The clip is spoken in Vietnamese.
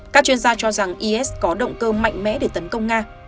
các chuyên gia cho rằng is có động cơ mạnh mẽ để tấn công nga